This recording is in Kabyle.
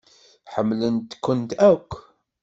Ḥemmlent-kent akk.